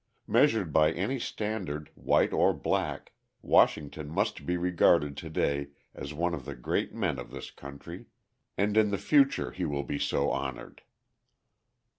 Measured by any standard, white or black, Washington must be regarded to day as one of the great men of this country: and in the future he will be so honoured.